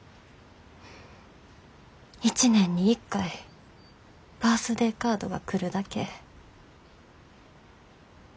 一年に１回バースデーカードが来るだけ。